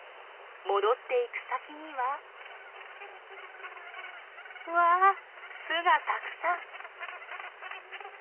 戻っていく先にはうわ巣がたくさん！